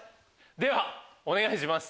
ではお願いします。